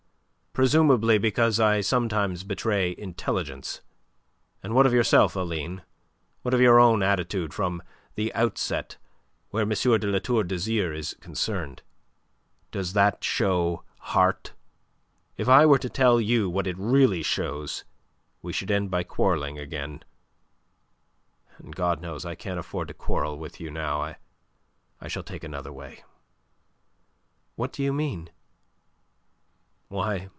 "Presumably because I sometimes betray intelligence. And what of yourself, Aline? What of your own attitude from the outset where M. de La Tour d'Azyr is concerned? Does that show heart? If I were to tell you what it really shows, we should end by quarrelling again, and God knows I can't afford to quarrel with you now. I... I shall take another way." "What do you mean?"